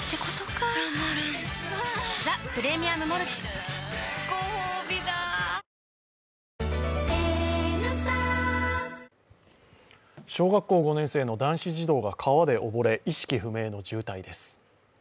しみるごほうびだ小学校５年生の男子児童が川で溺れ意識不明の重体です。